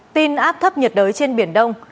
tin áp thấp nhiệt đới trên biển đông